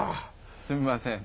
すみません。